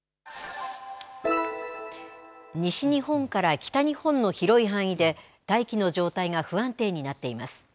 西日本から北日本の広い範囲で、大気の状態が不安定になっています。